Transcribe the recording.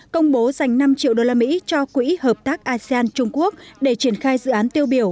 công bố dành năm triệu usd cho quỹ hợp tác asean trung quốc để triển khai dự án tiêu biểu